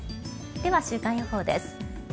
では、週間予報です。